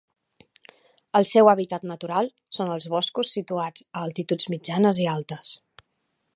El seu hàbitat natural són els boscos situats a altituds mitjanes i altes.